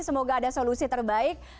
semoga ada solusi terbaik